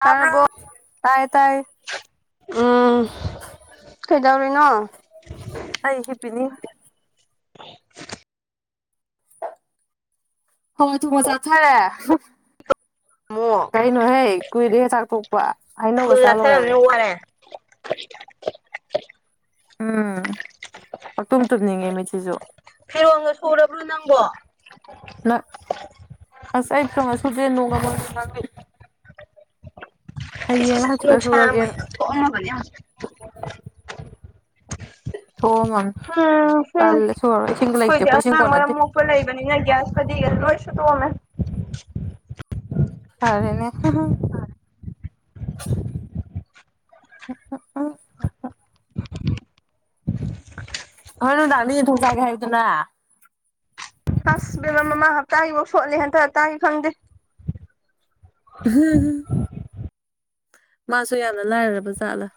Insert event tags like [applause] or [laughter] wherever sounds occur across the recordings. ꯇꯕ꯭ꯔꯣ ꯇꯥꯏꯌꯦ ꯇꯥꯏ ꯎꯝ ꯀꯩꯗꯧꯔꯤꯅꯣ ꯑꯩ ꯍꯤꯞꯄꯤꯅꯤ ꯍ ꯍꯥꯎꯋꯥꯏ ꯊꯣꯡꯕ ꯆꯥꯊꯔꯦ ꯑꯃꯨꯛ ꯀꯩꯅꯣꯍꯦ ꯀꯨꯏꯔꯦꯍꯦ ꯆꯥꯛꯊꯣꯛꯄ ꯍꯩꯅꯧꯒ ꯐꯨꯜ ꯆꯥ ꯂꯥꯠꯊꯔꯝꯅꯤꯅ ꯂꯣꯏꯔꯃꯤ ꯋꯥꯔꯦ ꯎꯝ ꯄꯪꯇꯨꯝ ꯇꯨꯝꯅꯤꯡꯉꯦ ꯃꯤꯠꯁꯤꯁꯨ ꯐꯤꯔꯣꯟꯒ ꯁꯨꯔꯕ꯭ꯔꯣ ꯅꯪꯕꯣ ꯅꯪ ꯑꯁ ꯑꯩ ꯐꯤꯔꯣꯟꯒ ꯁꯨꯗꯦ ꯅꯣꯡꯒ ꯃꯪꯉꯤ ꯍꯌꯦꯡꯂ ꯍꯪꯆꯤꯠꯂ ꯅꯨꯁꯥ ꯁꯨꯔꯒꯦꯅ ꯃꯌꯥꯝ ꯊꯣꯛꯑꯝꯃꯕꯅꯤ ꯍꯧꯖꯤꯛ ꯊꯣꯛꯑꯝꯃꯝꯅꯤ ꯇꯜꯂꯦ ꯁꯨꯔꯔꯣꯏ ꯏꯁꯤꯡꯒ ꯂꯩꯇꯦ ꯈꯣꯏꯗꯤ ꯑꯩꯈꯣꯏ ꯏꯁꯤꯡ ꯑꯉꯥꯡ ꯃꯔꯝ ꯀꯣꯟꯅꯗꯦ ꯃꯣꯛ ꯄ ꯂꯩꯕꯅꯤꯅ ꯒ꯭ꯌꯥꯁ ꯐꯗꯤꯒ ꯂꯣꯏ ꯁꯨꯗꯣꯛꯑꯝꯃꯦ ꯐꯔꯦꯅꯦ [unintelligible] ꯍꯣꯔꯦꯟ ꯅꯨꯡꯗꯥꯡꯗꯤ ꯌꯦꯟ ꯊꯣꯡ ꯆꯥꯒꯦ ꯍꯥꯏꯌꯨꯗꯅ ꯐꯥꯁ ꯕꯦꯝꯃ ꯃꯃꯥꯡ ꯍꯞꯇꯥꯒꯤꯐꯧ ꯁꯣꯠꯂꯤ ꯍꯟꯗꯛ ꯍꯞꯇꯥꯒꯤ ꯈꯪꯗꯦ [unintelligible] ꯃꯥꯁꯨ ꯌꯥꯝꯅ ꯂꯥꯏꯔꯔꯕ ꯖꯥꯠꯂꯥ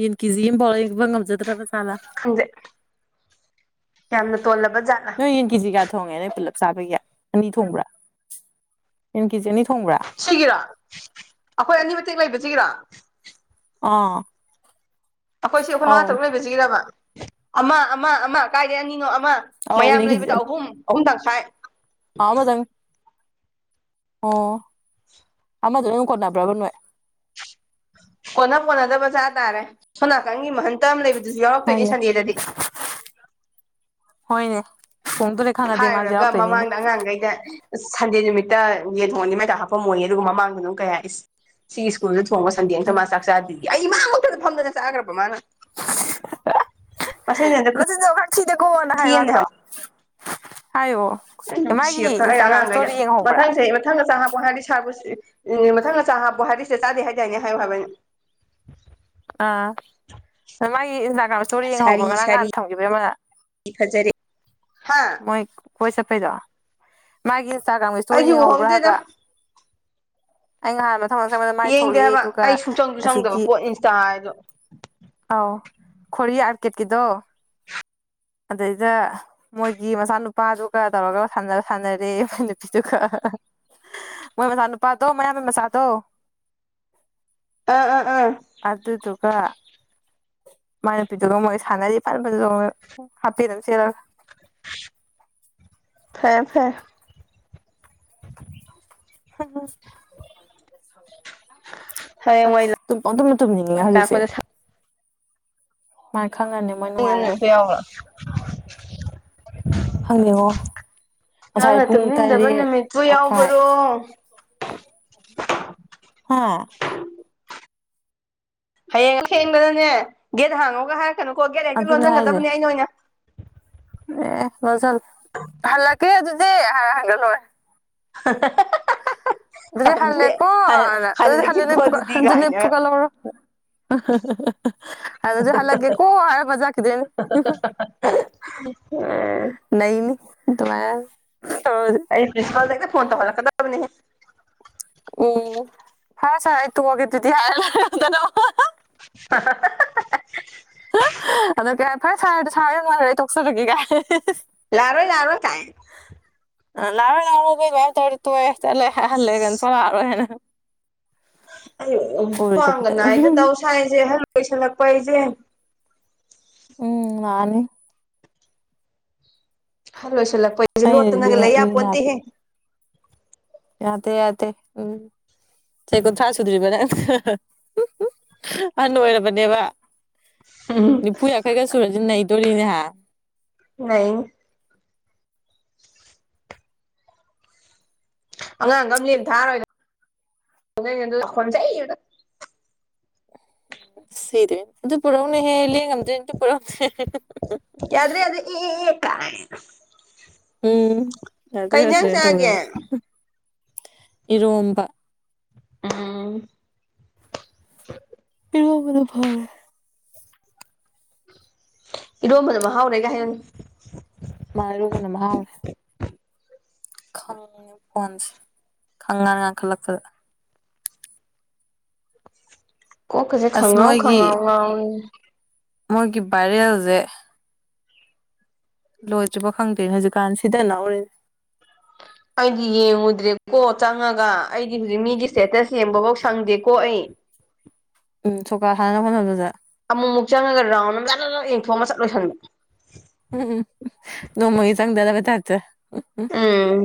ꯌꯦꯟ ꯀꯤꯖꯤ ꯑꯝꯕꯧ ꯂꯩꯕ ꯉꯝꯖꯗ꯭ꯔꯕ ꯈꯪꯗꯦ ꯌꯥꯝꯅ ꯇꯣꯜꯂꯕ ꯖꯥꯠꯂ ꯅꯣꯏ ꯌꯦꯟ ꯀꯦꯖꯤ ꯃꯌꯥ ꯊꯣꯡꯉꯦ ꯅꯣꯏ ꯄꯨꯂꯞ ꯆꯥꯕꯒꯤ ꯑꯅꯤ ꯊꯣꯡꯕ꯭ꯔꯥ ꯑꯦꯟ ꯀꯦꯖꯤ ꯑꯅꯤ ꯊꯣꯡꯕ꯭ꯔꯥ ꯁꯤꯒꯤꯔꯥ ꯑꯈꯣꯏ ꯑꯅꯤ ꯃꯇꯦꯛ ꯂꯩꯕꯁꯤꯒꯤꯔꯣ ꯑꯥ ꯑꯩꯈꯣꯏꯁꯤ ꯑꯩꯈ‌ꯣꯏ ꯃꯉꯥ ꯑꯧ ꯇꯔꯨꯛ ꯂꯩꯕꯁꯤꯒꯤꯔꯕ ꯑꯃ ꯑꯃ ꯑꯃ ꯀꯥꯏꯗꯩ ꯑꯅꯤꯅꯣ ꯑꯃ ꯑꯧ ꯃꯌꯥꯝ ꯏꯅ ꯈꯤꯖꯤ ꯂꯩꯕꯗ ꯑꯍꯨꯝ ꯑꯍꯨꯝ ꯇꯪꯈꯥꯏ ꯑ ꯑꯃꯗꯪ ꯑꯣ ꯑꯃꯗꯨꯅ ꯑꯗꯨꯝ ꯀꯣꯟꯅꯕ꯭ꯔꯕ ꯅꯣꯏ ꯀꯣꯟꯅ ꯀꯣꯟꯅꯗꯕ ꯆꯥ ꯇꯥꯔꯦ ꯁꯣꯝ ꯅꯥꯀꯟꯒꯤ ꯃꯍꯩ ꯇꯝ ꯂꯩꯕꯗꯨꯁꯨ ꯌꯥꯎ ꯍꯣꯏꯅꯦ [unintelligible] ꯍꯣꯏꯅꯦ ꯊ‌ꯣꯡꯗ‌ꯣꯔ‌ꯦ ꯍꯥꯏꯔꯨꯔꯒ ꯃꯃꯥꯡꯗ ꯑꯉꯥꯡꯒꯩꯗ ꯑꯁ ꯁꯟꯗꯦ ꯅꯨꯃꯤꯠꯇ ꯌꯦꯟ ꯊ‌ꯣꯡꯍꯟꯅꯤ ꯃꯥꯏ ꯆꯥꯛ ꯍꯥꯞꯄꯝꯃ‌ꯣꯏꯌꯦ ꯑꯗꯨꯒ ꯃꯃꯥꯡꯗꯅ ꯑꯃꯨꯛ ꯀꯩ ꯍꯥꯏ ꯁꯤꯒꯤ ꯁ꯭ꯀꯨꯜꯁꯤꯗ ꯊꯣꯡꯕ ꯁꯟꯗꯦ ꯑꯝꯇ ꯎꯝ ꯃꯥ ꯆꯥꯛ ꯆꯥꯗ꯭ꯔꯤꯌ‌ꯦ ꯑꯩ ꯏꯃꯥꯡ ꯃꯛꯇꯗ ꯐꯪꯝꯗꯅ ꯆꯥꯛ ꯆꯥꯈ꯭ꯔꯕ ꯃꯥꯅ ꯃꯁꯤꯅ ꯍꯟꯗꯛ ꯅꯆꯤꯟꯖ‌ꯦ ꯑꯣꯈꯥꯛ ꯊꯤꯗꯀꯣꯅ ꯍꯥꯏ ꯈꯨꯊꯤ ꯑꯃꯅꯦ ꯌꯥꯗ꯭ꯔꯣ ꯍꯥꯏꯌꯣ ꯑꯩꯅ ꯑꯃꯨꯛ ꯃꯥꯒꯤ ꯁ‌ꯦꯐꯀ ꯑꯩ ꯏꯟꯁꯇꯥꯒ꯭ꯔꯥꯝ ꯑꯉꯥꯡꯒꯩꯗ ꯏꯁꯇꯣꯔꯤ ꯌꯦꯡꯍꯧꯕ꯭ꯔꯥ ꯃꯊꯪꯁ‌ꯦ ꯃꯊꯪꯙ ꯆꯥꯛ ꯍꯥꯞꯄ‌ꯣ ꯍꯥꯏꯔꯤꯗꯤ ꯏꯁꯥꯕꯨ ꯃꯊꯪꯒ ꯆꯥꯛ ꯍꯥꯞꯄꯨ ꯍꯥꯏꯔꯗꯤ ꯁꯤꯗ ꯆꯥꯗꯦ ꯍꯥꯏꯗꯥꯏꯅꯦ ꯍꯥꯏꯌꯨ ꯍꯥꯏꯕ ꯑꯩꯅ ꯑꯥ ꯑ ꯃꯥꯒꯤ ꯏꯟꯁꯇꯥꯒ꯭ꯔꯥꯝ ꯏꯁꯇꯣꯔꯤ ꯌꯦꯡꯍꯧꯕ꯭ꯔꯣ ꯉꯔꯥꯡ ꯉꯍꯥꯟ ꯊꯝꯈꯤꯕꯒꯤ ꯑꯃ ꯏ ꯐꯖꯔ‌ꯦ ꯍꯥ ꯃꯥꯏ ꯀꯣꯏ ꯆꯠꯄꯩꯗꯣ ꯃꯥꯒꯤ ꯏꯟꯁꯇꯥꯒ꯭ꯔꯥꯝꯒꯤ ꯏꯁꯇꯣꯔꯤ ꯑꯩꯗꯤ ꯌꯦꯡꯉꯧꯕ꯭ꯔꯥ ꯎꯍꯧꯗꯦꯗ ꯍꯥꯏꯕ ꯑꯩ ꯅꯍꯥꯟ ꯃꯊꯪ ꯃꯊꯪ ꯆꯪꯕꯗ ꯃꯥꯏ ꯌꯦꯡꯗꯦ ꯊꯣꯛꯂꯛꯑꯦ ꯍꯥꯏꯕ ꯑꯗꯨꯒ ꯑꯩ ꯁꯨꯡꯆꯪꯁꯨ ꯆꯪꯗꯕ ꯑꯁꯤꯒꯤ ꯄꯣꯠ ꯏꯟꯁꯇꯥ ꯍꯥꯏꯗ‌ꯣ ꯑ‌ꯧ ꯈ‌ꯣꯔꯤ ꯑꯥꯔꯀꯦꯠꯀꯤꯗꯣ ꯑꯗꯩꯗ ꯃꯣꯏꯒꯤ ꯃꯆꯥꯅꯨꯄꯥꯗꯨꯒ ꯇꯧꯔꯒ ꯁꯥꯟꯅ ꯁꯥꯟꯅꯔꯦ ꯃꯥꯏ ꯅꯨꯄꯤꯗꯨꯒ ꯃꯣꯏ ꯃꯆꯥꯅꯨꯄꯥꯗ‌ꯣ ꯃꯌꯥꯝꯕꯩ ꯃꯆꯥꯗ‌ꯣ ꯑ ꯑ ꯑ ꯑꯗꯨꯗꯨꯒ ꯃꯥꯏ ꯅꯨꯄꯤꯗꯨꯒ ꯃꯣꯏ ꯁꯥꯟꯅꯔꯤ ꯐꯟ ꯐꯟ ꯆ‌ꯣꯡꯉꯒ ꯍꯥꯞꯄꯦꯟꯠ ꯑꯃ ꯁꯦꯠꯂꯒ ꯐꯔ‌ꯦ ꯐꯔ‌ꯦ ꯊꯅ‌ꯣꯖ ꯑꯁ ꯍꯌꯦꯡꯋꯥꯏ ꯇꯨꯝ ꯄꯪꯇꯨꯝꯗ ꯇꯨꯝꯅꯤꯡꯉ‌ꯦ ꯍꯧꯖꯤꯛꯁꯦ ꯂꯥꯛꯄꯗ ꯃꯥꯥꯏ ꯈꯪꯉꯅꯤ ꯃꯣꯏ [unintelligible] ꯅꯨꯡꯉꯥꯏꯔꯅꯤ ꯑꯩꯈ‌ꯣꯏ ꯌꯥꯎꯕ꯭ꯔ‌ꯣ ꯈꯪꯗ‌ꯦꯉꯣ ꯉꯁꯥꯏ ꯅꯪꯅ ꯄꯨꯡ ꯇꯨꯝꯅꯤꯡꯗꯕ ꯇꯔꯦꯠ ꯅꯨꯃꯤꯠꯄꯨ ꯃꯈꯥꯏ ꯌꯥꯎꯕꯔꯣ ꯍꯥ ꯍꯌꯦꯡ ꯊꯦꯡꯕꯗꯅꯦ ꯒꯦꯠ ꯍꯥꯡꯉ‌ꯣꯀ‌ꯣ ꯍꯥꯏꯔꯛꯀꯅꯨꯀꯣ ꯒꯦꯠ ꯍꯦꯛꯇ ꯂꯣꯟꯖꯤꯟꯒꯗꯕꯅꯦ ꯑꯩꯅ ꯑꯣꯏꯅ ꯑꯦꯑꯦ ꯍꯜꯂꯒ‌ꯦ ꯑꯗꯨꯗꯤ ꯍꯥꯏꯔ ꯍꯟꯒ꯭ꯔ ꯂ‌ꯣꯏꯔ‌ꯦ [unintelligible] ꯑꯗꯨꯗꯤ ꯍꯟꯈ꯭ꯔꯦ ꯍꯜꯂ‌ꯦꯀ‌ꯣꯅ ꯑꯗꯨꯗꯤ ꯍꯜꯂ‌ꯦꯅ‌ꯦ ꯍꯜꯂꯒꯦꯀꯣ ꯐꯨꯒꯠ ꯑꯗꯨꯗꯤ ꯍꯟꯖꯟꯂ‌ꯦ ꯀꯥꯏꯅ ꯐꯨꯒꯠꯍꯧꯔ‌ꯣꯅ [unintelligible] ꯑꯗꯨꯗꯤ ꯍꯜꯂꯒ‌ꯦꯀꯣ ꯍꯥꯏꯔꯝꯃ ꯆꯈꯤꯗ‌ꯣꯏꯅꯦ [unintelligible] ꯑꯦ ꯅꯩꯅꯤ ꯗꯨꯃꯥꯏ ꯇꯧꯔꯗꯤ ꯑꯩ ꯄ꯭ꯔꯤꯟꯁꯤꯄꯜꯗ ꯍ‌ꯦꯛꯇ ꯐꯣꯟ ꯇꯧꯍꯜꯂꯛꯀꯗꯕꯅꯤ ꯎ ꯐꯥꯔꯥ ꯁꯥꯔ‌ꯦ ꯑꯩ ꯇꯣꯛꯑꯒꯦ ꯑꯗꯨꯗꯤ ꯍꯥꯏꯔ ꯂ‌ꯣꯏꯔ‌ꯦꯗꯅ [unintelligible] ꯑꯗ‌ꯣ ꯀꯥꯏ ꯐꯔꯦ ꯁꯥꯔꯗꯣ ꯁꯥꯔ ꯌꯥꯝ ꯅꯨꯡꯉꯥꯏꯔꯦ ꯑꯩ ꯇꯣꯛꯆꯔꯒꯦ ꯀꯥꯏ [unintelligible] ꯏꯁ ꯂꯥꯛꯑꯔꯣꯏ ꯂꯥꯛꯑꯔꯣꯏ ꯀꯥꯏ ꯂꯥꯛꯑꯔꯣꯏ ꯂꯥꯛꯑꯔ‌ꯣꯏ ꯅ‌ꯣꯏ ꯗꯨꯃꯥꯏꯗꯨꯝ ꯇꯧꯔꯗꯤ ꯇꯣꯛꯑꯦ ꯆꯠꯂ‌ꯦ ꯍꯥꯏꯍꯝꯂ‌ꯦ ꯀꯩꯅ‌ꯣ ꯁꯨꯡ ꯂꯥꯛ ꯂꯥꯛꯑꯔꯣꯏꯅ ꯑꯩꯌꯣ ꯑꯣꯏꯔꯣꯏꯗꯕꯗ ꯈ꯭ꯋꯥꯡꯒꯅꯥꯏꯗ ꯇꯧ ꯁꯍꯥꯏꯁꯦ ꯑꯍꯟ ꯑꯣꯏꯁꯜꯂꯛꯄ ꯑꯩꯖꯦ ꯎꯝ ꯂꯥꯛꯑꯅꯤ ꯍꯜ ꯂꯣꯏꯁꯤꯜꯂꯛꯄꯁꯦ ꯑꯩꯅꯗꯤ ꯂꯣꯠꯇꯅꯒ ꯂꯤꯅ ꯍꯥꯞꯄꯤ ꯂꯩꯌꯥꯄꯣꯇꯦꯍꯦ ꯌꯥꯗꯦ ꯌꯥꯗꯦ ꯎꯝ ꯆꯍꯤ ꯀꯨꯟꯊ꯭ꯔꯥ ꯁꯨꯗ꯭ꯔꯤꯕ ꯅꯪ ꯑꯍꯟ ꯑꯣꯏꯔꯕꯅꯦꯕ ꯎꯝ ꯅꯤꯐꯨ ꯌꯥꯡꯈꯩꯒ ꯁꯨꯔꯁꯤ ꯅꯩꯗꯣꯔꯤꯅꯦꯍ ꯅꯩꯅꯤ ꯑꯉꯥꯡ ꯒꯝꯅꯦꯅ ꯊꯥꯔꯣꯏꯗ ꯈꯣꯟꯖꯩ ꯉꯥꯛꯇꯥ ꯁꯤꯗꯨꯏꯅꯦ ꯑꯗꯨ ꯄꯨꯔꯧꯅ ꯍꯦ ꯂꯦꯡꯉꯝꯗ꯭ꯔꯦ ꯑꯗꯨ ꯄꯨꯔꯧ ꯍꯦ ꯌꯥꯗ꯭ꯔꯦ ꯌꯥꯗ꯭ꯔꯦ ꯌꯦ ꯌꯦ ꯀꯥꯏꯅ ꯎꯝ ꯌꯥꯗ꯭ꯔꯦ ꯀꯩ ꯏꯟꯖꯥꯡ ꯌꯥꯗ꯭ꯔꯦꯅ ꯆꯥꯒꯦ ꯇꯧꯗꯅ ꯏꯔꯣꯝꯕ ꯑꯝ ꯏꯔꯣꯝꯕꯅ ꯐꯔꯦ ꯏꯔꯣꯝꯕꯅ ꯃꯍꯥꯎꯔ ꯂꯩ ꯒꯥꯏ ꯍꯥꯏꯌꯨꯅꯦ ꯃꯜꯂꯤ ꯏꯔꯣꯝꯕꯅ ꯃꯍꯥꯎꯋꯦ [unintelligible] ꯈꯪꯉꯦ ꯐꯣꯟꯁꯦ ꯈꯪꯉꯟ ꯉꯥꯟꯈꯠꯂꯛꯄꯗ ꯀꯣꯛ ꯀꯁꯦ ꯑꯁ ꯈꯪꯉꯥꯎ ꯃꯣꯏꯒꯤ ꯈꯪꯉꯥꯎ ꯉꯥꯎꯋꯤ ꯃꯣꯏꯒꯤ ꯚꯥꯏꯔꯦꯜꯖꯦ ꯂꯣꯏꯗ꯭ꯔꯤꯕ ꯈꯪꯗꯦ ꯍꯧꯖꯤꯛꯀꯥꯟ ꯁꯤꯗꯅꯍꯧꯔꯤ ꯑꯩꯗꯤ ꯌꯦꯡꯉꯨꯗ꯭ꯔꯦꯀꯣ ꯆꯪꯉꯒ ꯑꯩꯗꯤ ꯍꯧꯖꯤꯛ ꯃꯤꯒꯤ ꯁ꯭ꯇꯦꯇꯁ ꯌꯦꯡꯕꯐꯧ ꯁꯪꯗꯦꯀꯣ ꯑꯩ ꯎꯝ ꯁꯣꯀꯥ ꯍꯥꯟꯅ ꯍꯣꯠꯅꯕꯗꯨꯗ ꯑꯃꯨꯛꯃꯨꯛ ꯆꯪꯉꯒ ꯔꯥꯎꯟ ꯑꯃ ꯖꯠ ꯖꯠ ꯌꯦꯡꯊꯣꯛꯃꯑꯃꯒ ꯆꯠ ꯂꯣꯏꯁꯟꯕ ꯎꯝ ꯅꯣꯡꯃꯒꯤ ꯆꯪꯗꯅꯕ ꯇꯥꯏꯞꯇ ꯎꯝ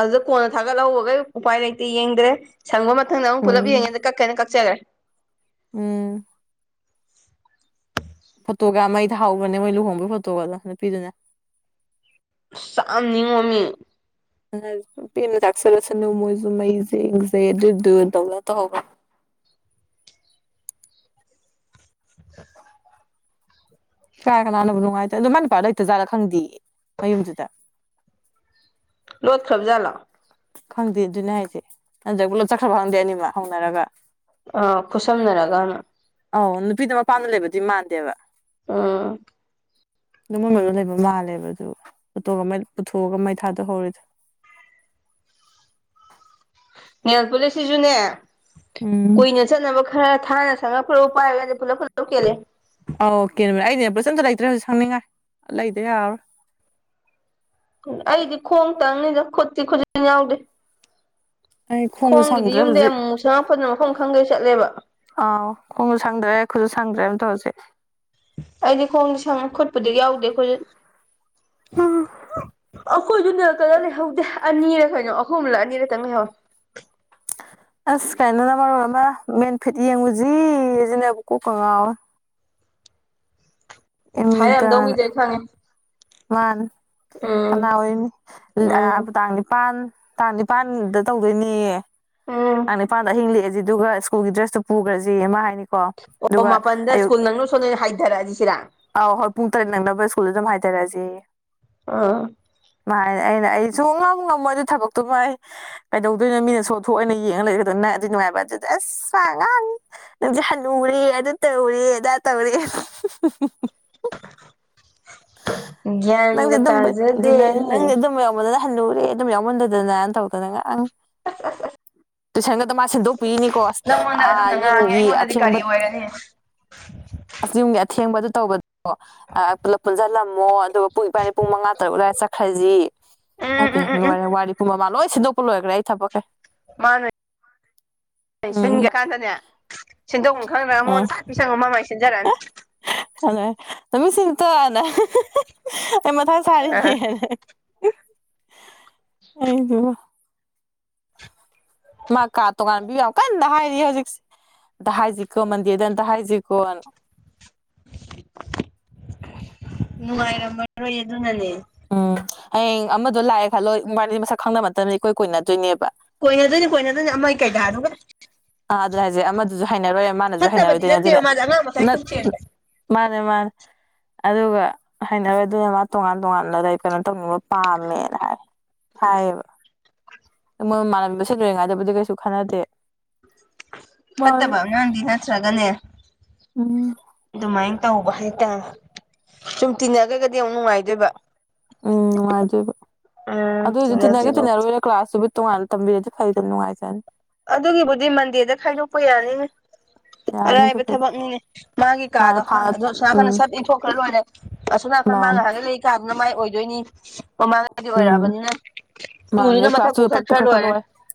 ꯑꯗꯨꯗ ꯀꯣꯟꯅ ꯊꯥꯒꯠꯍꯧꯕꯒꯩ ꯎꯄꯥꯏ ꯂꯩꯇꯦ ꯌꯦꯡꯗ꯭ꯔꯦ ꯁꯪꯕ ꯃꯊꯪꯗ ꯑꯃꯨꯛ ꯄꯨꯂꯞ ꯎꯝ ꯌꯦꯡꯉꯁꯤ ꯀꯛ ꯀꯩꯅ ꯀꯛꯆꯔꯦ ꯎꯝ ꯐꯣꯇꯣꯒ ꯌꯥꯝ ꯃꯩ ꯊꯥꯎꯕꯅꯦ ꯃꯣꯏ ꯂꯨꯍꯣꯡꯕꯒꯤ ꯐꯣꯇꯣꯒꯗꯣ ꯅꯨꯄꯤꯗꯨꯅꯦ ꯆꯥꯛꯑꯝ ꯅꯤꯡꯉꯣꯝꯃꯤ ꯑꯗꯨꯅꯤ ꯍꯥꯏꯁꯦ [unintelligible] ꯄꯦꯟꯅꯥ ꯆꯥꯛꯆꯔꯁꯅꯨ ꯃꯣꯏꯖꯨ ꯃꯩꯖꯦ ꯅꯨꯡꯖꯦ ꯑꯗꯨꯗꯨ ꯇꯧꯗꯅ ꯇꯧꯍꯧꯕꯅꯦ ꯀꯥꯏ ꯀꯅꯥꯅꯕꯨ ꯅꯨꯡꯉꯥꯏꯗꯣ ꯑꯗꯨꯃꯥꯏ ꯅꯨꯄꯥ ꯂꯩꯇꯖꯥꯠꯂ ꯈꯪꯗꯦ ꯃꯌꯨꯝꯗꯨꯗ ꯂꯣꯠꯈ꯭ꯔꯕ ꯖꯥꯠꯂꯣ ꯈꯪꯗꯦ ꯑꯗꯨꯅꯦ ꯍꯥꯏꯁꯦ ꯅꯥꯠꯇ꯭ꯔ ꯄꯨꯂꯞ ꯆꯠꯈ꯭ꯔꯕ ꯈꯪꯗꯦ ꯑꯅꯤꯃꯛ ꯍꯧꯅꯔꯒ ꯑ ꯈꯨꯁꯝꯅꯔꯒꯅ ꯑꯧ ꯅꯨꯄꯤꯗꯨ ꯃꯄꯥꯥꯝꯗ ꯂꯩꯕꯗꯤ ꯃꯥꯟꯗꯦꯕ ꯑꯥ ꯑꯗꯨ ꯃꯣꯏ ꯃꯌꯨꯝ ꯂꯩꯕ ꯃꯥꯜꯂꯦꯕ ꯑꯗꯨ ꯄꯨ ꯄꯨꯊꯣꯛꯑꯒ ꯃꯩ ꯊꯥꯗꯣꯛꯍꯧꯔꯤꯗꯣ ꯅꯦꯜꯄꯨꯂꯤꯁ ꯁꯤꯁꯨꯅꯦ ꯎꯝ ꯀꯨꯏꯅ ꯆꯠꯅꯕ ꯈꯔ ꯊꯥꯅ ꯁꯪꯉ ꯄꯣꯠ ꯄꯥꯏꯔꯒꯗꯤ ꯄꯨꯂꯞ ꯄꯨꯂꯞ ꯀꯦꯜꯂꯦ ꯑꯧ ꯀꯦꯟꯕꯅꯦ ꯑꯩ ꯅꯦꯜꯄꯨꯂꯤꯁ ꯑꯝꯇ ꯂꯩꯇ꯭ꯔꯦ ꯍꯧꯖꯤꯛ ꯁꯪꯅꯤꯡꯉꯥꯏ ꯂꯩꯗ ꯌꯥꯔꯣꯏ ꯎ ꯑꯩꯗꯤ ꯈꯣꯡ ꯇꯪꯅꯤꯗ ꯈꯨꯠꯇꯤ ꯈꯨꯖꯤꯟ ꯌꯥꯎꯗꯦ ꯑꯩ ꯈꯣꯡꯁꯨ ꯈꯣꯡꯒꯤꯗꯤ ꯁꯪꯗ꯭ꯔꯦ ꯌꯨꯝꯗꯩꯩ ꯍꯧꯖꯤꯛ ꯑꯃꯨꯛ ꯑꯃꯨꯛ ꯁꯪꯉꯛꯄꯗꯨꯅ ꯃꯐꯝ ꯈꯪꯗꯩ ꯆꯠꯂꯦꯕ ꯑꯥꯎ ꯈꯣꯡꯁꯨ ꯁꯪꯗ꯭ꯔꯦ ꯈꯨꯠꯁꯨ ꯁꯪꯗ꯭ꯔꯦ ꯑꯃꯇ ꯍꯧꯖꯤꯛ ꯑꯩꯗꯤ ꯈꯣꯡꯗꯤ ꯁꯪꯉꯦ ꯈꯣꯠꯄꯨꯗꯤ ꯌꯥꯎꯗꯦ ꯈꯨꯖꯤꯟ ꯑꯩꯈꯣꯏꯗꯨ ꯅꯦꯜ ꯀꯂꯔ ꯂꯩꯍꯧꯗꯦ ꯑꯅꯤꯔ ꯀꯩꯅꯣ ꯑꯍꯨꯝꯂ ꯑꯅꯤꯔꯇꯪ ꯂꯩꯍꯧꯋꯦ ꯑꯁ ꯀꯥꯏꯅꯅ ꯃꯔꯣꯟ ꯑꯃ ꯃꯦꯟ ꯐꯤꯠ ꯌꯦꯡꯉꯨꯖꯤꯁꯤꯅꯦꯕꯨ ꯀꯣꯛꯀ ꯉꯥꯎꯏ ꯍꯤꯏꯔꯝꯗꯧ ꯃꯤꯗꯨ ꯑꯩ ꯈꯪꯉꯦ ꯃꯥꯟꯅꯤ ꯎꯝ ꯀꯅꯥ ꯑꯣꯏꯅꯤ ꯑ ꯎꯝ ꯇꯥꯡ ꯅꯤꯄꯥꯟ ꯇꯥꯡ ꯅꯤꯄꯥꯟꯗ ꯇꯧꯗꯣꯏꯅꯦ ꯎꯝ ꯇꯥꯡ ꯅꯤꯄꯥꯟꯗ ꯑꯍꯤꯡ ꯂꯦꯛꯛꯑꯁꯤ ꯑꯗꯨꯒ ꯁ꯭ꯀꯨꯜꯒꯤ ꯗ꯭ꯔꯦꯁꯇꯨ ꯄꯨꯒ꯭ꯔꯥꯁꯦꯌꯦ ꯃꯥ ꯍꯥꯏꯅꯤꯀꯣ ꯑꯣ ꯑꯗꯨꯒ ꯃꯥꯄꯜꯗ ꯁ꯭ꯀꯨꯜ ꯅꯪꯅꯕ ꯁꯣꯝꯗ ꯑꯣꯏꯅ ꯍꯥꯏꯊꯔꯛꯑꯁꯤ ꯁꯤꯔ ꯑꯧ ꯍꯣꯏ ꯄꯨꯡ ꯇꯔꯦꯠ ꯅꯪꯅꯕ ꯁ꯭ꯀꯨꯜꯗ ꯑꯗꯨꯝ ꯍꯥꯏꯊꯔꯛꯑꯁꯦꯌꯦ ꯑꯥ ꯃꯥꯥ ꯍꯥꯏꯅꯤ ꯑꯩꯅ ꯑꯩꯗꯤ ꯁꯨꯛꯉꯝ ꯉꯝꯃꯣꯏ ꯑꯗꯨꯏ ꯊꯕꯛꯇꯨꯃ ꯀꯩꯗꯧꯗꯣꯏꯅꯣ ꯃꯤꯅ ꯁꯣꯊꯣꯛꯑ ꯑꯩꯅ ꯌꯦꯡꯉ ꯂꯩꯔ ꯅꯗꯤ ꯅꯨꯡꯉꯥꯏꯕ ꯑꯗꯨꯗ ꯑꯁ ꯉꯥꯡꯉꯤ ꯅꯪꯗꯤ ꯍꯜꯄꯨꯔꯦ ꯑꯗꯨ ꯇꯧꯔꯦ ꯑꯗꯥ ꯇꯧꯔꯦ ꯅꯪꯗꯤ ꯒ꯭ꯌꯥꯟꯒ ꯑꯗꯨꯝꯕꯩ ꯇꯥꯖꯗꯦ ꯑꯗꯨꯅꯦ ꯅꯪꯗꯤ ꯑꯗꯨꯝꯝꯕ ꯌꯥꯎꯕꯗꯅ ꯍꯜꯅꯨꯔꯦ ꯑꯗꯨꯝ ꯌꯥꯎꯃꯟꯗꯗꯅ ꯇꯧꯗꯅ ꯉꯥꯡ ꯇꯨꯏꯁꯟꯒꯗꯣ ꯃꯥ ꯁꯦꯝꯗꯣꯛꯄꯤꯔꯤꯅꯤꯀꯣ ꯑꯁ ꯅꯪꯉꯣꯟꯗ ꯑꯥ ꯑꯗꯨꯝꯅ ꯉꯥꯡꯉꯦ ꯌꯨꯝꯒꯤ ꯑꯩꯉꯣꯟꯗꯗꯤ ꯑꯊꯦꯡꯕ ꯀꯔꯤ ꯑꯣꯏꯔꯅꯤ ꯨꯌꯨꯝꯒꯤ ꯑꯊꯦꯡꯕꯗꯨ ꯇꯧꯕꯗꯣ ꯑꯥ ꯄꯨꯂꯞ ꯄꯨꯟꯁꯤꯜꯂꯝꯃꯣ ꯑꯗꯨꯒ ꯄꯨꯡ ꯏꯕꯥꯅꯤ ꯄꯨꯡ ꯃꯉꯥ ꯇꯔꯨꯛ ꯑꯗꯨꯋꯥꯏꯗ ꯆꯠꯈ꯭ꯔꯁꯤ ꯏꯃꯥꯏ ꯎꯝ ꯎꯝ ꯄꯦꯝ ꯎꯝ ꯎꯝ ꯂꯣꯏꯔꯦ ꯋꯥꯔꯤ ꯃꯃꯥ ꯂꯣꯏ ꯁꯤꯟꯗꯣꯛꯄ ꯂꯣꯏꯈ꯭ꯔꯦ ꯑꯩ ꯊꯕꯛꯀꯩ ꯃꯥꯅ ꯁꯤꯟꯒ ꯎꯝ ꯀꯥꯟꯗꯅꯦ ꯁꯤꯟꯗꯣꯛ ꯈꯪꯗ꯭ꯔ ꯃꯉꯣꯟ [unintelligible] ꯃꯥꯃꯥ ꯃꯥꯏ ꯁꯤꯟꯖꯔꯛꯑꯅꯤ ꯑꯗ ꯑꯩꯅ [unintelligible] ꯑꯩ ꯃꯊꯥ ꯑꯥ ꯁꯥꯔꯦꯅꯦꯅ ꯑꯩꯗꯤꯕ ꯃꯥ ꯀꯥ ꯇꯣꯉꯥꯟ ꯄꯤꯕ ꯌꯥꯝ ꯀꯟꯅ ꯍꯥꯏꯔꯤꯌꯦ ꯍꯧꯖꯤꯛꯁꯦ ꯑꯝꯇ ꯍꯥꯏꯁꯤꯀꯣ ꯃꯟꯗꯦꯗ ꯑꯝꯇ ꯍꯥꯏꯁꯤꯀꯣꯅ ꯅꯨꯡꯉꯥꯏꯔꯝꯃꯔꯣꯏ ꯑꯗꯨꯅꯅꯦ ꯎꯝ ꯍꯌꯦꯡ ꯑꯃꯗꯣ ꯂꯥꯛꯑꯦ ꯈꯜꯂꯣ ꯃꯥꯗꯤ ꯃꯁꯛ ꯈꯪꯅꯅꯕꯈꯨꯗꯝ ꯅꯇꯝꯅꯤꯅ ꯏꯀꯣꯏꯅꯗꯣꯏꯅꯦꯕ ꯀꯣꯏꯅꯗꯣꯏꯅꯤ ꯀꯣꯏꯅꯗꯣꯏꯅꯤ ꯑꯃ ꯀꯩꯗ ꯗꯨꯒ ꯑꯥ ꯑꯗꯨꯅ ꯍꯥꯏꯁꯦ ꯑꯃꯗꯨꯁꯨ ꯍꯥꯏꯅꯔꯣꯏ ꯑꯃꯅꯁꯨ ꯐꯠꯇꯕꯗꯤ ꯍꯥꯏꯅꯔꯣꯏꯗꯣꯏꯅꯦ ꯅꯠꯇꯦꯕ ꯑꯗꯨꯅ ꯃꯥꯁꯦ ꯑꯉꯥꯡ ꯃꯆꯥꯏ ꯀꯨꯞ ꯆꯦꯟꯕ ꯃꯥꯅꯦ ꯃꯥꯅꯦ ꯑꯗꯨꯒ ꯍꯩꯅꯔꯣꯏꯗꯨꯅ ꯃꯥ ꯇꯣꯉꯥꯟ ꯇꯣꯉꯥꯟꯕꯗ ꯂꯩ ꯀꯩꯅꯣ ꯇꯧꯅꯤꯡꯕ ꯄꯥꯝꯃꯦꯅ ꯍꯥꯏ ꯍꯥꯏꯌꯦꯕ ꯑꯗꯨ ꯃꯣꯏ ꯃꯥꯟꯂꯝꯕ ꯁꯤ ꯂꯣꯏꯔꯤꯉꯥꯏꯗꯕꯨꯗꯤ ꯀꯩꯁꯨ ꯈꯟꯅꯗꯦ ꯃꯥꯅꯤ ꯐꯠꯇꯕ ꯑꯉꯥꯡꯗꯤ ꯅꯠꯇ꯭ꯔꯒꯅꯦ ꯎꯝ ꯑꯗꯨꯃꯥꯏꯅ ꯇꯧꯕ ꯍꯥꯏꯇꯥꯔꯦ ꯁꯨꯝ ꯇꯤꯟꯅꯒ꯭ꯔꯒꯗꯤ ꯑꯃꯨꯛ ꯅꯨꯡꯉꯥꯏꯗꯣꯏꯕ ꯎꯝ ꯅꯨꯡꯉꯥꯏꯗꯣꯏꯕ ꯎꯝ ꯑꯗꯨꯁꯨ ꯇꯤꯟꯅꯒꯦ ꯇꯤꯟꯅꯗ꯭ꯔꯤꯕꯧꯗꯤ ꯇꯤꯟꯅꯔꯣꯏꯔ ꯀ꯭ꯂꯥꯁꯇꯨꯕꯨ ꯇꯣꯉꯥꯟꯅ ꯇꯝꯕꯤꯔꯗꯤ ꯐꯩꯗ ꯅꯨꯡꯉꯥꯏꯖꯔꯅꯤ ꯑꯗꯨꯒꯤꯕꯨꯗꯤ ꯃꯟꯗꯦꯗ ꯈꯥꯏꯗꯣꯛꯄ ꯌꯥꯅꯤꯅꯦ ꯌꯥꯅꯤ ꯑꯔꯥꯏꯕ ꯑꯗꯨꯕꯨꯗꯤ ꯊꯕꯛꯅꯤꯅꯦ ꯃꯥꯒꯤ ꯀꯥꯗꯣ ꯃꯥꯅ ꯍꯥꯡ ꯐꯥꯅ ꯑꯗꯣ ꯑꯁꯣꯝꯅꯥꯀꯟꯗ ꯎꯝ ꯁꯠ ꯏꯟꯊꯣꯛꯈ꯭ꯔ ꯂꯣꯏꯔꯦ ꯑꯁꯣ ꯅꯥꯀꯟ ꯃꯥ ꯃꯥꯅꯦ ꯉꯥꯍꯥꯛꯒꯩ ꯂꯩ ꯀꯥꯗꯨꯅ ꯃꯥꯏ ꯑꯣꯏꯗꯣꯏꯅꯤ ꯃꯃꯥꯡꯉꯩꯗꯤ ꯎꯝ ꯑꯣꯏꯔꯛꯑꯕꯅꯤꯅ ꯃꯥꯅꯦ ꯇꯨꯗꯨꯅ ꯑꯗꯩ ꯃꯊꯛ ꯀ꯭ꯂꯥꯁꯇꯨꯁꯨ ꯐꯠ ꯄꯨꯈꯠꯈ꯭ꯔ ꯂꯣꯏꯔꯦ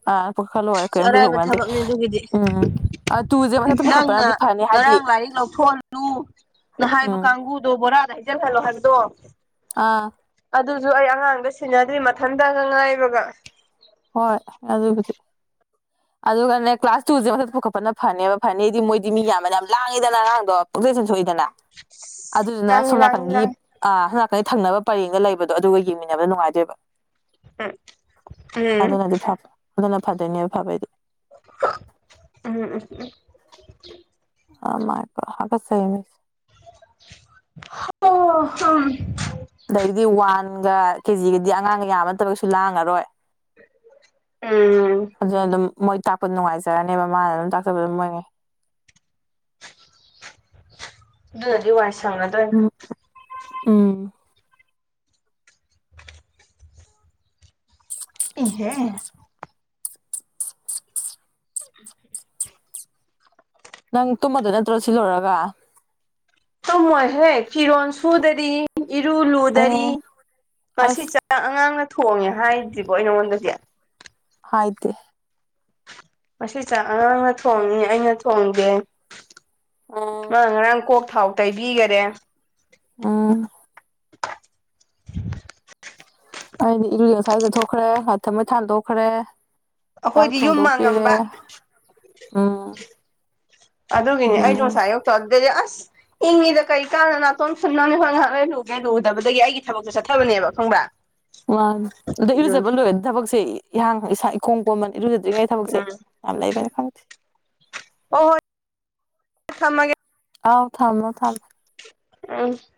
ꯑꯥ ꯄꯨꯈꯠꯈ꯭ꯔ ꯂꯣꯏꯔꯦ ꯀꯩꯝ ꯑꯔꯥꯏꯕ ꯀꯩꯗꯧꯕ ꯅꯠꯇꯦ ꯊꯕꯛꯅꯤ ꯑꯗꯨꯒꯤꯗꯤ ꯎꯝ ꯑꯥ ꯇꯨꯁꯦ ꯃꯊꯛꯇ ꯅꯪꯅ ꯄꯨꯈꯠꯄꯅꯗꯤ ꯐꯅꯤ ꯍꯥꯏꯗꯤ ꯉꯔꯥꯡ ꯂꯥꯏꯔꯤꯛ ꯂꯧꯊꯣꯛꯍꯜꯂꯨ ꯅ ꯍꯥꯏꯕ ꯎꯝ ꯀꯥꯡꯕꯨ ꯗꯣ ꯕꯣꯔꯥꯗ ꯍꯩꯖꯜ ꯍꯜꯂꯣ ꯍꯥꯏꯕꯗꯣ ꯑꯥ ꯑꯗꯨꯁꯨ ꯑꯩ ꯑꯉꯥꯡꯗ ꯁꯤꯟꯅꯗ꯭ꯔꯤ ꯃꯊꯟꯇꯒ ꯉꯥꯏꯕꯒ ꯍꯣꯏ ꯑꯗꯨꯕꯨꯗꯤ ꯑꯗꯨꯒꯅꯦ ꯀ꯭ꯂꯥꯁ ꯇꯨꯁꯦ ꯃꯊꯛꯇ ꯄꯨꯈꯠꯄꯅ ꯐꯅꯦꯕ ꯐꯅꯤꯗꯤ ꯃꯣꯏꯗꯤ ꯃꯤ ꯌꯥꯝꯕꯅ ꯌꯥꯝ ꯂꯥꯡꯉꯤꯗꯅ ꯑꯉꯥꯡꯗꯣ ꯄꯪꯁ‌ꯣꯏꯁꯨ ꯁꯣꯏꯗꯅ ꯑꯗꯨꯗꯨꯅ ꯂꯥꯡꯉꯤ ꯂꯥꯡꯉꯤ ꯁꯣꯝꯅꯥꯀꯟꯒꯤ ꯂꯥꯡꯉꯤ ꯑꯥ ꯍ‌ꯝ ꯅꯀꯟꯒꯤ ꯊꯪꯅꯕ ꯄꯔꯦꯡꯗ ꯂꯩꯕꯗꯣ ꯑꯗꯨꯒ ꯌꯦꯡꯃꯤꯟꯅꯕ ꯅꯨꯡꯉꯥꯏꯗꯣꯏꯕ [unintelligible] ꯎꯝ ꯑꯗꯨꯅꯗꯤ ꯐꯕ ꯑꯗꯨꯅ ꯐꯗꯣꯏꯅꯦꯕ ꯐꯕꯩꯗꯤ [unintelligible] ꯑ‌ꯥ ꯃꯥꯥꯏꯀꯥ ꯍꯥꯀꯠ ꯆꯩꯌ‌ꯦ ꯃꯤꯠꯁ‌ꯦ [unintelligible] ꯑꯗꯒꯤꯗꯤ ꯋꯥꯟꯒ ꯀꯦꯖꯤꯒꯗꯤ ꯑꯉꯥꯡꯒ ꯌꯥꯝꯕ ꯅꯠꯇꯕꯒꯁꯨ ꯂꯥꯡꯉꯔꯣꯏ ꯎꯝ ꯑꯗꯨꯅ ꯑꯗꯨꯝ ꯃꯣꯏ ꯇꯥꯛꯄ ꯅꯨꯡꯉꯥꯏꯖꯔꯅꯦꯕ ꯃꯥꯅ ꯑꯗꯨ ꯇꯥꯛꯆꯕ ꯑꯗꯨꯝ ꯃꯣꯏꯉꯩ ꯑꯗꯨꯅꯗꯤ ꯋꯥꯏꯁꯪꯉꯗ‌ꯣꯏ ꯎꯝ ꯎꯝ ꯏꯍ‌ꯦ ꯅꯪ ꯇꯨꯝꯃꯗ‌ꯣꯏ ꯅꯠꯇ꯭ꯔꯣ ꯁꯤ ꯂ‌ꯣꯏꯔꯒ ꯇꯨꯝꯃꯣꯏꯍꯦ ꯐꯤꯔꯣꯟ ꯁꯨꯗꯔꯤ ꯏꯔꯨ ꯂꯨꯗꯔꯤ ꯑꯣ ꯉꯁꯤ ꯑꯁ ꯆꯠ ꯑꯉꯥꯡꯅ ꯊꯣꯡꯉꯦ ꯍꯥꯏꯗ꯭ꯔꯤꯕꯣ ꯑꯩ ꯅꯪꯉꯣꯟꯗꯖ‌‌ꯦ ꯍꯥꯏꯗ‌ꯦ ꯑꯁꯤ ꯆꯥꯛ ꯑꯉꯥꯡꯅ ꯊꯣꯡꯉ‌ꯦ ꯑꯩꯅ ꯊꯣꯡꯗ‌ꯦ ꯎꯝ ꯃꯥꯅ ꯉꯔꯥꯡ ꯀꯣꯛ ꯊꯥꯎ ꯇꯩꯕꯤꯒꯔꯦ ꯎꯝ [inaudible] ꯑꯩꯗꯤ ꯏꯂꯨ ꯉꯁꯥꯏ ꯂꯨꯊꯣꯛꯈ꯭ꯔꯦ ꯂꯥꯏ ꯊꯥꯎꯃꯩ ꯊꯥꯟꯗꯣꯛꯈ꯭ꯔꯦ ꯆꯥꯛ ꯑꯩꯈꯣꯏꯗꯤ ꯌꯨꯝ ꯊꯣꯡꯗꯣꯛꯄꯤꯔꯦ ꯃꯥꯡꯉꯝꯕ ꯎꯝ ꯑꯗꯨꯒꯤꯅꯦ ꯑꯩꯗ‌ꯣ ꯑꯗꯨꯅꯅꯤ ꯉꯁꯥꯏ ꯑꯌꯨꯛ ꯇꯧꯗ‌ꯣꯏꯅ‌ꯦ ꯑꯁ ꯏꯪꯉꯤꯗ ꯀꯩ ꯀꯥꯟꯗ ꯅꯥꯇ‌ꯣꯟ ꯐꯨꯟꯅꯝꯅꯤ ꯍꯣꯔ‌ꯦꯟ ꯉꯥꯏꯍꯥꯛ ꯂꯩꯔ ꯂꯨꯒꯦ ꯂꯨꯗꯕꯗꯒꯤ ꯑꯩꯒꯤ ꯊꯕꯛꯁꯦ ꯆꯠꯊꯕꯅꯦꯕ ꯈꯪꯕ꯭ꯔꯥ ꯋꯥꯟ ꯑꯗ‌ꯣ ꯑꯗꯨꯅꯤ ꯏꯔꯨꯖꯕ ꯂꯣꯏꯔꯗꯤ ꯊꯕꯛꯁꯦ ꯏꯍꯥꯡ ꯏꯁꯥ ꯏꯀ‌ꯣꯝ ꯀꯣꯝꯕꯅ‌ꯦ ꯏꯔꯨꯖꯗ꯭ꯔꯤꯉꯩꯒꯤ ꯊꯕꯛꯁꯦ ꯎꯝ ꯌꯥꯝ ꯂꯩꯕꯅ‌ꯦ ꯈꯪꯗ‌ꯦ ꯍ‌ꯣ ꯍ‌ꯣꯏ ꯊꯝꯃꯒ‌ꯦ ꯑꯥꯎ ꯊꯝꯃꯣ ꯊꯝꯃ‌ꯣ [unintelligible]